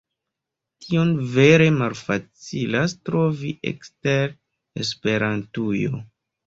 Tion vere malfacilas trovi ekster Esperantujo.